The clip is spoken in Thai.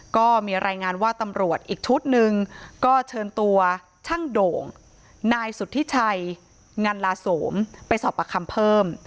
ก็มีรายงานว่าตำรวจอีกชุดหนึ่งก็เชิญตัวช่างโด่งนายสุธิชัยงันลาโสมไปสอบประคำเพิ่ม